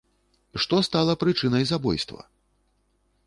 Што стала прычынай забойства?